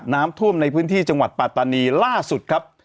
น้ำท่วมในพื้นที่จังหวัดปัตตานีล่าสุดครับ